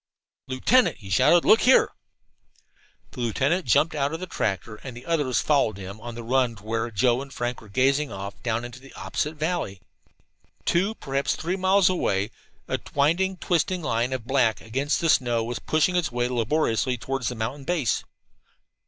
"Lieutenant!" he shouted. "Look here!" The lieutenant jumped out of the tractor, and the others followed him on the run to where Joe and Frank were gazing off down into the opposite valley. Two, perhaps three, miles away, a winding, twisting line of black against the snow was pushing its way laboriously around the mountain base.